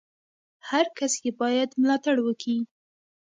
هر کس ئې بايد ملاتړ وکي!